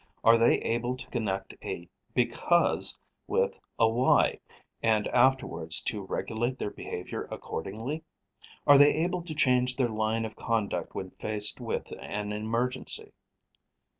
Are they able to connect a 'because' with a 'why' and afterwards to regulate their behaviour accordingly? Are they able to change their line of conduct when faced with an emergency?